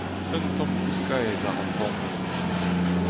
Un tamm kousk-aez a ran bemdez.